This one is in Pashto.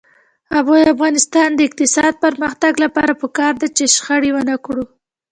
د افغانستان د اقتصادي پرمختګ لپاره پکار ده چې شخړه ونکړو.